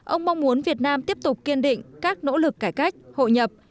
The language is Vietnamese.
ông mong muốn việt nam tiếp tục kiên định các nỗ lực cải cách hội nhập